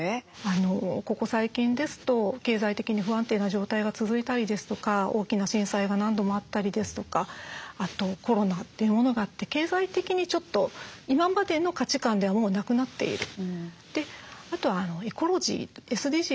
ここ最近ですと経済的に不安定な状態が続いたりですとか大きな震災が何度もあったりですとかあとコロナというものがあって経済的にちょっと今までの価値観ではもうなくなっている。